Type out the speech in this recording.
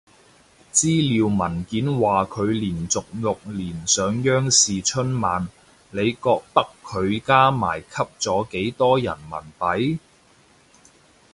資料文件話佢連續六年上央視春晚，你覺得佢加埋吸咗幾多人民幣？